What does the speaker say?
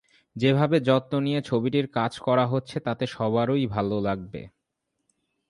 যেভাবে যত্ন নিয়ে ছবিটির কাজ করা হচ্ছে তাতে সবারই ভালো লাগবে।